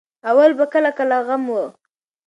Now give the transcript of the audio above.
اول به کله کله غم وو.